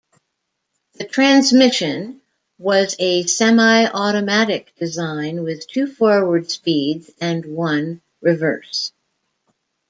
The transmission was a semiautomatic design with two forward speeds and one reverse.